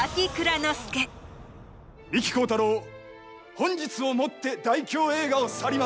幹幸太郎本日をもって大京映画を去ります。